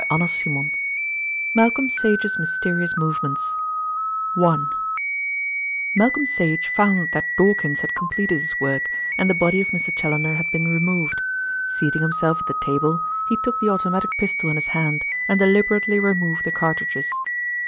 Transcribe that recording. CHAPTER III MALCOLM SAGE'S MYSTERIOUS MOVEMENTS I Malcolm Sage found that Dawkins had completed his work, and the body of Mr. Challoner had been removed. Seating himself at the table, he took the automatic pistol in his hand and deliberately removed the cartridges.